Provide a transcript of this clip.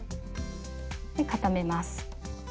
固めます。